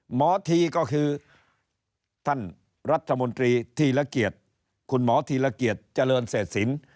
ทีก็คือท่านรัฐมนตรีทีละเกียรติคุณหมอธีรเกียจเจริญเศษศิลป์